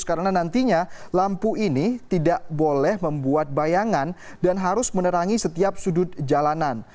karena nantinya lampu ini tidak boleh membuat bayangan dan harus menerangi setiap sudut jalanan